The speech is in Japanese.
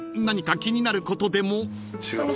何か気になることでも？］